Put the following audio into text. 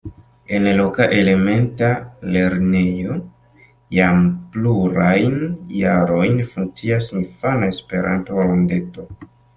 En loka elementa lernejo jam plurajn jarojn funkcias infana Esperanto-rondeto.